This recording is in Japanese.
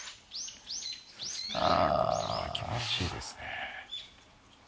気持ちいいですね。